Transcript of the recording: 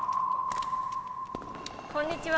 こんにちは！